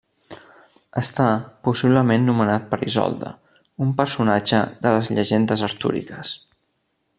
Està possiblement nomenat per Isolda, un personatge de les llegendes artúriques.